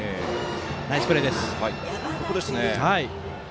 ナイスプレーです。